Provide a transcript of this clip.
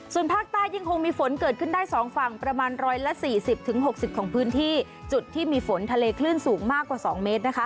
ส่วนภาคใต้ยังคงมีฝนเกิดขึ้นได้๒ฝั่งประมาณ๑๔๐๖๐ของพื้นที่จุดที่มีฝนทะเลคลื่นสูงมากกว่า๒เมตร